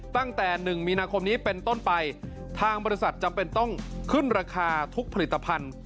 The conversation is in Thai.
ตั้งแต่๑มีนาคมนี้เป็นต้นไปทางบริษัทจำเป็นต้องขึ้นราคาทุกผลิตภัณฑ์